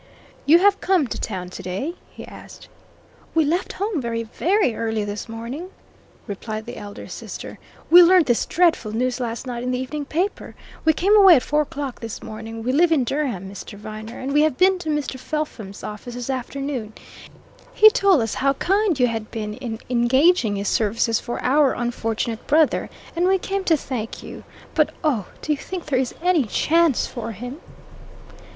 "You have come to town today?" he asked. "We left home very, very early this morning," replied the elder sister. "We learned this dreadful news last night in the evening paper. We came away at four o'clock this morning we live in Durham, Mr. Viner, and we have been to Mr. Felpham's office this afternoon. He told us how kind you had been in engaging his services for our unfortunate brother, and we came to thank you. But oh, do you think there is any chance for him?"